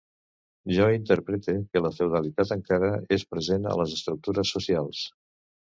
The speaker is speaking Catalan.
Jo interprete que la feudalitat encara és present a les estructures socials.